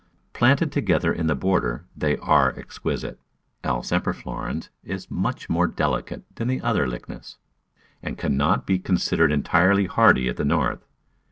Planted together in the border they are exquisite. L. semper florens is much more delicate than the other Lychnis, and cannot be considered entirely hardy at the North.